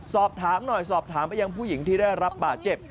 สอบถามหน่อยสอบถามไปยังผู้หญิงที่ได้รับบาดเจ็บ